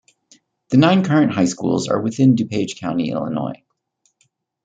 The nine current high schools are within DuPage County, Illinois.